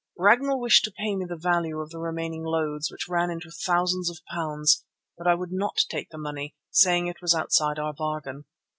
Ragnall wished to pay me the value of the remaining loads, which ran into thousands of pounds, but I would not take the money, saying it was outside our bargain.